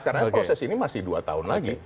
karena proses ini masih dua tahun lagi